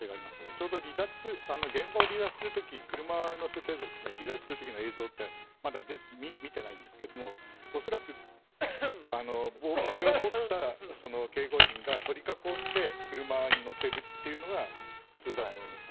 ちょうど現場を離脱する時車に乗せて離脱する時の映像ってまだ見てないんですけど恐らく、これを持った警護員が取り囲んで車に乗せるというのが普通だと思います。